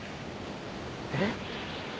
えっ？